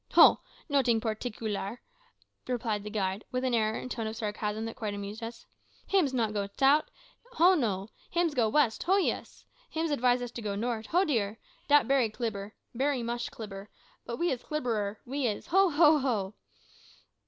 "Ho! noting porteekler," replied the guide, with an air and tone of sarcasm that quite amused us. "Hims not go sout', ho no! hims go west, ho yis! Hims advise us to go nort', ho dear! dat bery clibber, bery mush clibber; but we is clibberer, we is, ho! ho! ho!"